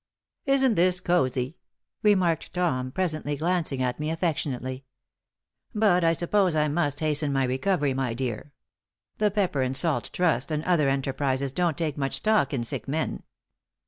"Isn't this cozy?" remarked Tom, presently, glancing at me affectionately. "But I suppose I must hasten my recovery, my dear. The Pepper and Salt Trust and other enterprises don't take much stock in sick men."